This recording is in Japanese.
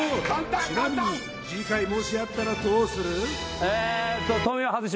ちなみに次回もしあったらどうする？